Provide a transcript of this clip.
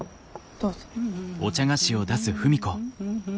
どうぞ。